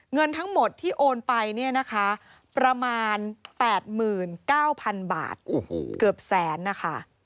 เงินทั้งหมดที่โอนไปเนี่ยนะคะประมาณ๘๙๐๐๐บาทเกือบแสนนะคะ